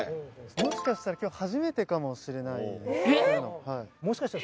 もしかしたらそれで最後かもしれない。